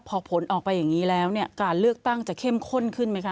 พอผลออกไปอย่างนี้แล้วเนี่ยการเลือกตั้งจะเข้มข้นขึ้นไหมคะ